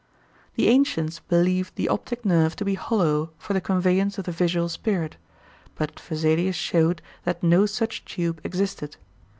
The ancients believed the optic nerve to be hollow for the conveyance of the visual spirit, but Vesalius showed that no such tube existed.